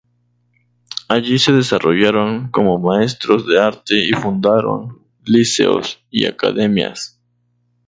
Allí se desarrollaron como maestros de arte y fundaron liceos y academias.